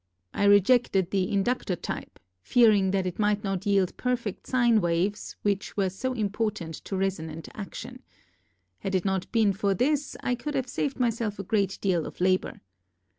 I rejected the inductor type, fearing that it might not yield perfect sine waves which were so im portant to resonant action. Had it not been for this I could have saved myself a great deal of labor.